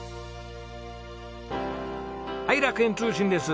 はい楽園通信です。